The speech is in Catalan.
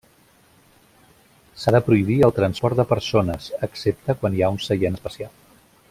S'ha de prohibir el transport de persones, excepte quan hi ha un seient especial.